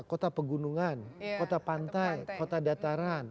kota pegunungan kota pantai kota dataran